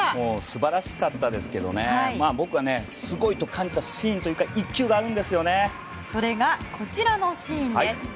素晴らしかったですけど僕はすごいと感じたシーンというかこちらのシーンです。